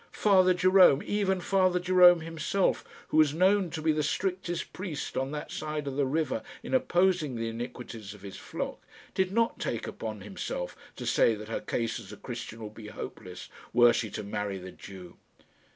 Father Jerome even Father Jerome himself, who was known to be the strictest priest on that side of the river in opposing the iniquities of his flock did not take upon himself to say that her case as a Christian would be hopeless, were she to marry the Jew!